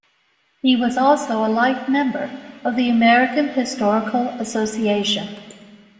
He was also a life member of the American Historical Association.